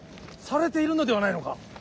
されているのではないのか。